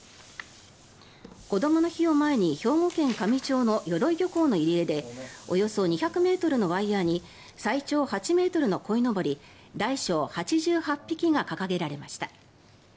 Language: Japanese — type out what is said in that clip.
こどもの日を前に兵庫県香美町の鎧漁港の入り江でおよそ２００ｍのワイヤに最長８ｍのこいのぼり大小８８匹が掲げられました。